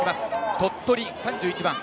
鳥取、３１番。